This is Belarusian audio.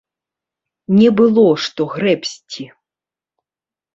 Не было што грэбсці!